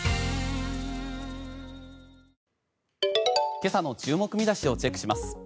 今朝の注目見出しをチェックします。